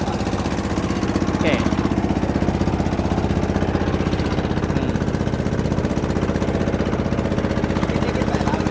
dikit dikit pak lama ya